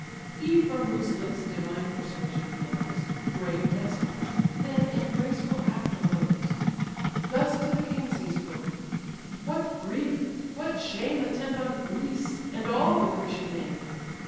He from whose lips divine persuasion flows, Grave Nestor, then, in graceful act arose; Thus to the kings he spoke: "What grief, what shame Attend on Greece, and all the Grecian name!